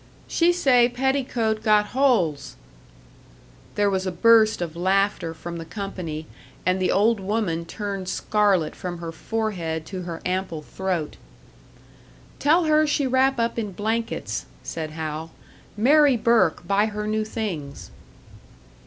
"She say petticoat got holes!" There was a burst of laughter from the company, and the old woman turned scarlet from her forehead to her ample throat. "Tell her she wrap up in blankets," said Hal. "Mary Burke buy her new things."